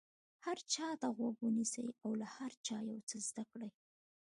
هر چا ته غوږ ونیسئ او له هر چا یو څه زده کړئ.